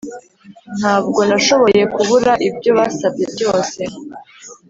ntabwo nashoboye kubura ibyo basabye byose